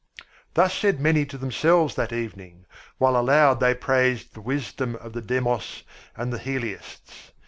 Thus said many to themselves that evening, while aloud they praised the wisdom of the demos and the heliasts.